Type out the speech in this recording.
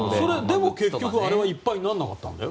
でも結局あれはいっぱいにならなかったんだよ。